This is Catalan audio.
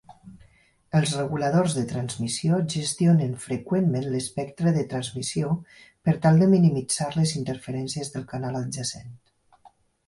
Els reguladors de transmissió gestionen freqüentment l'espectre de transmissió per tal de minimitzar les interferències del canal adjacent.